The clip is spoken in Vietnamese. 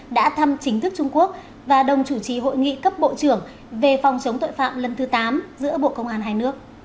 đã thăm chính thức trung quốc và đồng chủ trì hội nghị cấp bộ trưởng về phòng chống tội phạm lần thứ tám giữa bộ công an hai nước